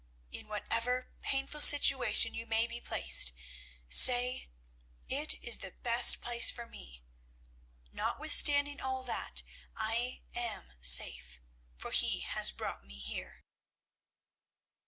In whatever painful situation you may be placed, say, 'It is the best place for me. Notwithstanding all that, I am safe, for He has brought me here.'"